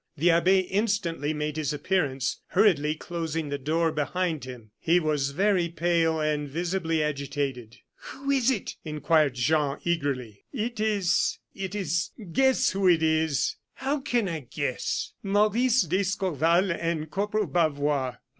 The abbe instantly made his appearance, hurriedly closing the door behind him. He was very pale, and visibly agitated. "Who is it?" inquired Jean, eagerly. "It is it is. Guess who it is." "How can I guess?" "Maurice d'Escorval and Corporal Bavois."